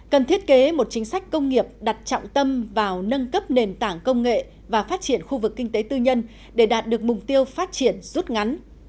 cần thiết kế một chính sách công nghiệp đặt trọng tâm vào nâng cấp nền tảng công nghệ và phát triển khu vực kinh tế tư nhân để đạt được mục tiêu phát triển rút ngắn